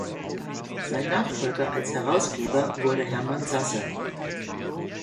Sein Nachfolger als Herausgeber wurde Hermann Sasse.